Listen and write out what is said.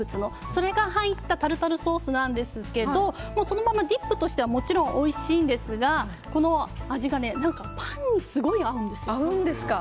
それが入ったタルタルソースなんですけどそのままディップとしてはもちろんおいしいんですがこの味がパンにすごい合うんですよ。